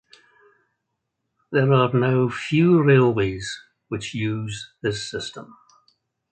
There are now few railways which use this system.